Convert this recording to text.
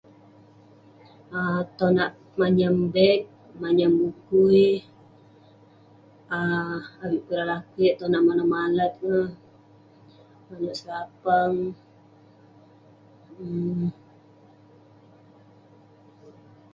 um tonak manyam beg, manyam kueh,[um] avik peh ireh lakeik, tonak manouk malat ineh..manouk selapang..[um]